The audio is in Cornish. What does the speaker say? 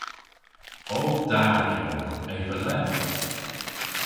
O da genowgh eva leth?